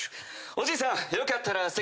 おじいさんよかったらどうぞ。